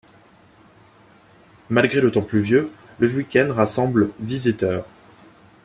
Malgré le temps pluvieux, le week-end rassemble visiteurs.